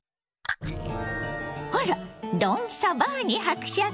あらドン・サバーニ伯爵。